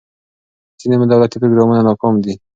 ځینې دولتي پروګرامونه ناکام دي.